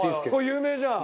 有名じゃん。